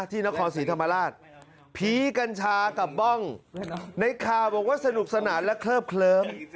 ที่นครศรีธรรมราชผีกัญชากับบ้องในข่าวบอกว่าสนุกสนานและเคลิบเคลิ้ม